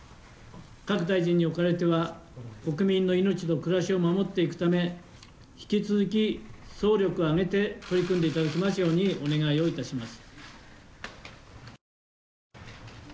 各大臣におかれては、国民の命と暮らしを守っていくため、引き続き総力を挙げて取り組んでいただきますようにお願いをいたします。